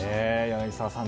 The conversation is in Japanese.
柳澤さん